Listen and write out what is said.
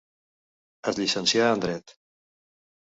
Es llicencià en dret.